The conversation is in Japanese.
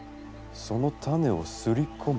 その種をすり込む。